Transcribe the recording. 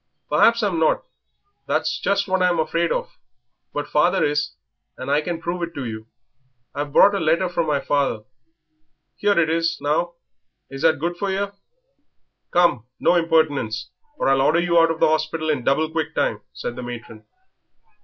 "Perhaps I'm not that's just what I'm afraid of; but father is, and I can prove it to you. I've brought a letter from father 'ere it is; now, is that good enough for yer?" "Come, no impertinence, or I'll order you out of the hospital in double quick time," said the matron.